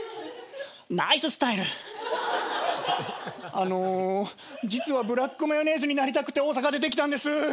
あの実はブラックマヨネーズになりたくて大阪出てきたんです。